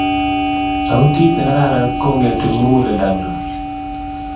sautit nekararan kongeti mukuleldo nyuu